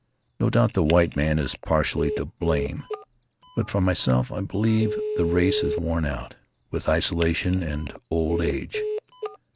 No doubt the white man is partially to blame, but, for myself, I believe the race is worn out with isolation and old age.